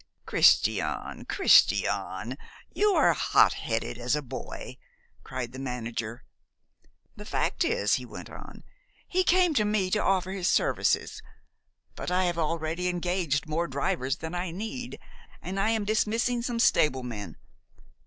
"Christian, Christian! You are hot headed as a boy," cried the manager. "The fact is," he went on, "he came to me to offer his services. But I have already engaged more drivers than I need, and I am dismissing some stable men.